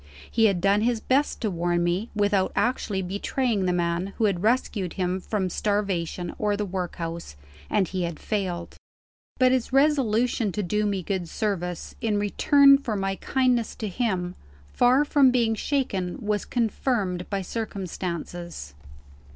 He had done his best to warn me, without actually betraying the man who had rescued him from starvation or the workhouse and he had failed. But his resolution to do me good service, in return for my kindness to him, far from being shaken, was confirmed by circumstances.